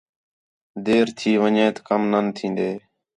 دِیر تھی ونڄیت کم نان تھین٘دے